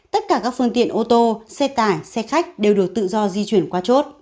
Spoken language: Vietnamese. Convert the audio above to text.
tất cả các phương tiện ô tô xe tải xe khách đều được tự do di chuyển qua chốt